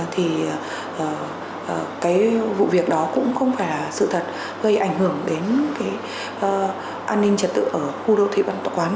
thì cái vụ việc đó cũng không phải là sự thật gây ảnh hưởng đến cái an ninh trật tự ở khu đô thị văn quán